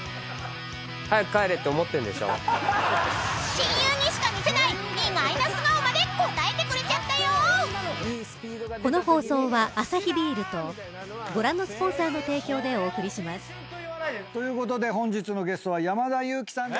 ［親友にしか見せない意外な素顔まで答えてくれちゃったよ］ということで本日のゲストは山田裕貴さん